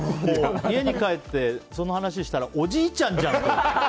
家に帰ってその話をしたらおじいちゃんじゃんって。